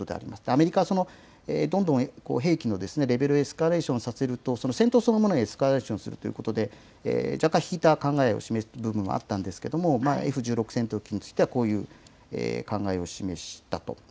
アメリカはどんどん兵器のレベルをエスカレーションさせると、戦闘そのものがエスカレーションするという考えで、若干、引いた考えを示す部分はあったんですけども、Ｆ１６戦闘機については、こういう考えを示したと。